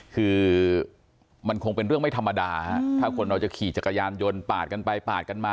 คือมันคงเป็นเรื่องไม่ธรรมดาถ้าคนเราจะขี่จักรยานยนต์ปาดกันไปปาดกันมา